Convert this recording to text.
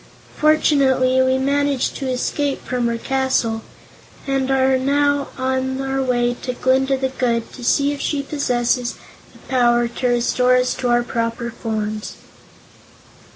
"Fortunately, we managed to escape from her castle, and we are now on our way to Glinda the Good to see if she possesses the power to restore us to our former shapes."